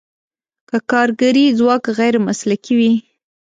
که کارګري ځواک غیر مسلکي وي.